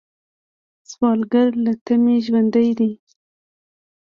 سوالګر له تمې ژوندی دی